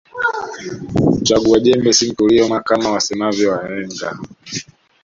Mchagua jembe si mkulima Kama wasemavyo wahenga